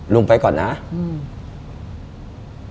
ลุงไปก่อนนะอืม